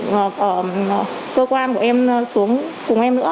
cũng là cơ quan của em xuống cùng em nữa